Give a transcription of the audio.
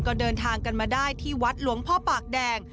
ก็เดินทางกันมาได้ที่วัดหลวงพ่อปากแดง